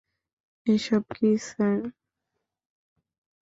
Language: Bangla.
এসব কি স্যার?